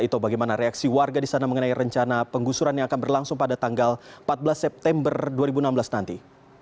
itu bagaimana reaksi warga di sana mengenai rencana penggusuran yang akan berlangsung pada tanggal empat belas september dua ribu enam belas nanti